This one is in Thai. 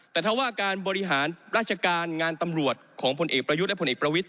แต่ถ้าว่าการบริหารราชการงานตำรวจของพลเอกประยุทธ์และผลเอกประวิทย